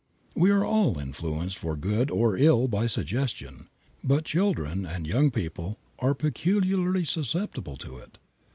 We are all influenced for good or ill by suggestion, but children and young people are peculiarly susceptible to it.